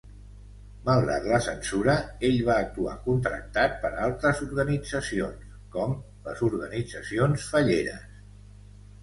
Malgrat la censura, ell va actuar contractat per altres organitzacions, com les organitzacions falleres.